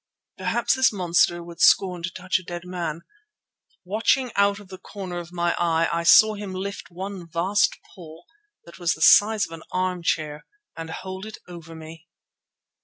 Perhaps this monster would scorn to touch a dead man. Watching out of the corner of my eye, I saw him lift one vast paw that was the size of an arm chair and hold it over me.